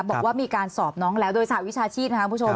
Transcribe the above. บอกว่ามีการสอบน้องแล้วโดยสหวิชาชีพนะคะ